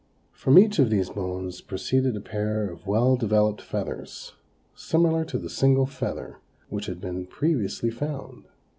From each of these bones proceeded a pair of well developed feathers, similar to the single feather which had been previously found.